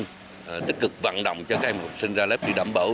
thầy và các phụ huynh tích cực vận động cho các em học sinh ra lớp đi đảm bảo